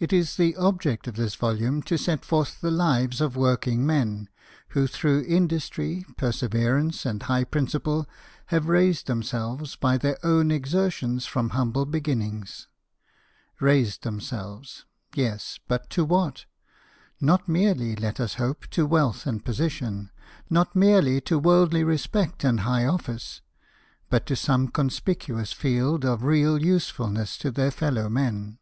T is the object of this volume to set forth the lives of working men who through industry, perseverance, and high principle have raised them selves by their own exertions from humble beginnings. Raised themselves ! Yes ; but to what ? Not merely, let us hope, to wealth and position, not merely to worldly respect and high office, but to some conspicuous field of real usefulness to their fellow men.